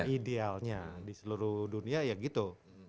idealnya di seluruh dunia ya gitu